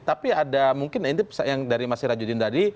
tapi ada mungkin ini yang dari mas sirajudin tadi